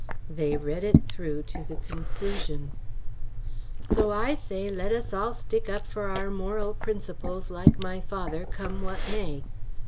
They read it through to the conclusion: So as I say let us all stick up for our Morel Prinsaples like my Father come what may.